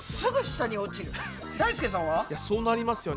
そうなりますよね。